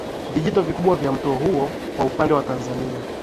Vijito vikubwa vya mto huu kwa upande wa Tanzania